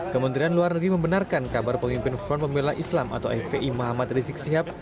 kementerian luar negeri membenarkan kabar pengimpin front pemela islam atau fvi muhammad rizik shihab